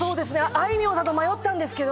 あいみょんさんと迷ったんですけど